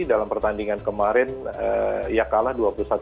dalam pertandingan kemarin ia kalah dua puluh satu tujuh belas dua puluh satu tujuh